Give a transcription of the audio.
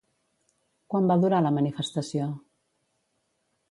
Quant va durar la manifestació?